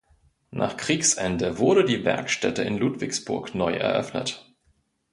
Nach Kriegsende wurde die Werkstätte in Ludwigsburg neu eröffnet.